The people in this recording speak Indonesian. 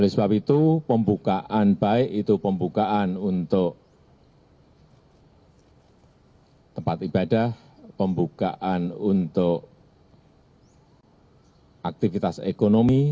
oleh sebab itu pembukaan baik itu pembukaan untuk tempat ibadah pembukaan untuk aktivitas ekonomi